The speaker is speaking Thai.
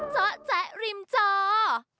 เจาะแจะริมเจาะ